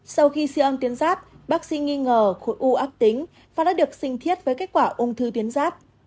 sau khi siêu âm tiến giáp bác sĩ nghi ngờ khối u ác tính và đã được sinh thiết với kết quả ung thư tuyến giáp